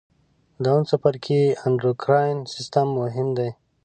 د اووم څپرکي اندورکاین سیستم مهم دی.